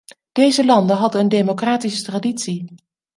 Deze landen hadden een democratische traditie.